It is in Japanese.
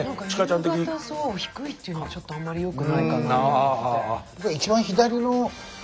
夕方低いっていうのはちょっとあんまりよくないかなと思って。